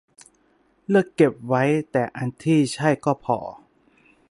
เลือกเก็บไว้แต่อันที่ใช่ก็พอ